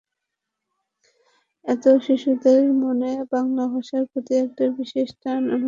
এতে শিশুদের মনে বাংলা ভাষার প্রতি একটা বিশেষ টান অনুভব করবে।